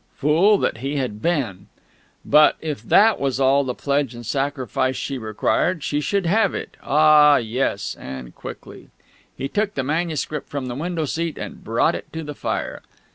Fool that he had been!... But if that was all the pledge and sacrifice she required she should have it ah, yes, and quickly! He took the manuscript from the window seat, and brought it to the fire.